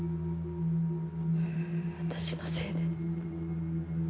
私のせいで。